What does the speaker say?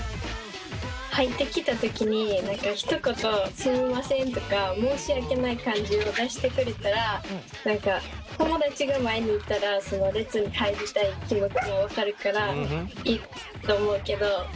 入ってきたときに何かひと言「すみません」とか申し訳ない感じを出してくれたら何か友だちが前にいたらその列に入りたい気持ちも分かるからいいと思うけど。